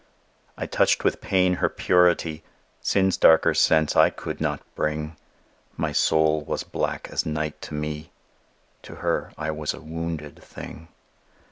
I touched with pain her purity; Sin's darker sense I could not bring: My soul was black as night to me: To her I was a wounded thing.